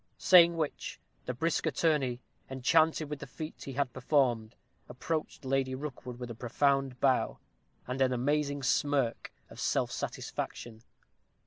Saying which, the brisk attorney, enchanted with the feat he had performed, approached Lady Rookwood with a profound bow, and an amazing smirk of self satisfaction.